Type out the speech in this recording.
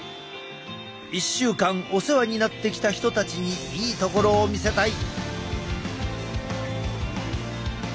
１週間お世話になってきた人たちにいいところを見せたい。